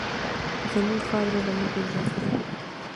زموږ خاوره زموږ عزت دی.